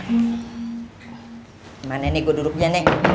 gimana nih gue duduknya nih